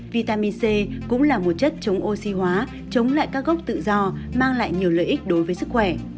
vitamin c cũng là một chất chống oxy hóa chống lại các gốc tự do mang lại nhiều lợi ích đối với sức khỏe